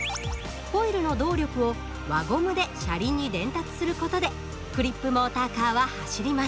コイルの動力を輪ゴムで車輪に伝達する事でクリップモーターカーは走ります。